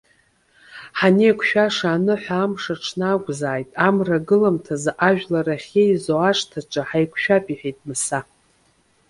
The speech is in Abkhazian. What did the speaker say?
Ҳанеиқәшәаша, аныҳәа амш аҽны акәзааит, амра агыламҭазы ажәлар ахьеизо ашҭаҿы ҳаиқәшәап,- иҳәеит Мыса.